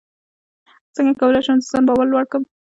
څنګه کولی شم د ځان باور لوړ کړم